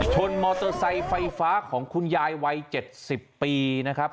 ชนมอเตอร์ไซค์ไฟฟ้าของคุณยายวัย๗๐ปีนะครับ